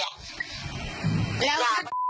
ไม่เอาไม่เอาไอ้อัฐอ่ะ